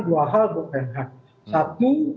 dua hal bukan hal satu